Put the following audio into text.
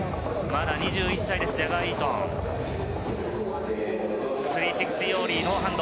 まだ２１歳です、ジャガー・イートン。